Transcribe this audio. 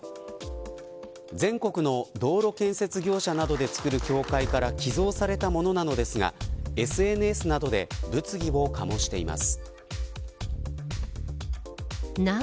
全国の道路建設業者などでつくる協会から寄贈されたものなのですがＳＮＳなどで物議を醸しています。